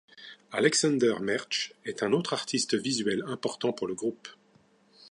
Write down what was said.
Alexander Mertsch est un autre artiste visuel important pour le groupe.